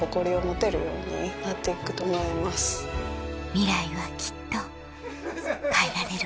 ミライはきっと変えられる